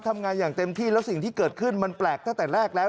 ทำงานอย่างเต็มที่แล้วสิ่งที่เกิดขึ้นมันแปลกตั้งแต่แรกแล้ว